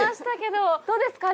どうですか？